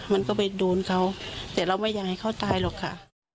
มันก็ไปโดนเขาแต่เราไม่อยากให้เขาตายหรอกค่ะ